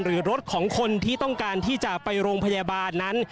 หรือรถของคนที่ต้องการที่จะไปโรงพยาบาลนั้น